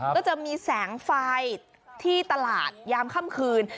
ก็จะมีแสงไฟที่ตลาดยามค่ำคืน